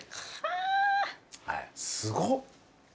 すごっ。